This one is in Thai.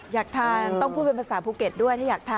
อยากทานต้องพูดเป็นภาษาภูเก็ตด้วยถ้าอยากทาน